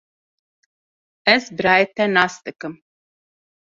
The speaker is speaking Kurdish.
Ez birayê te nas dikim.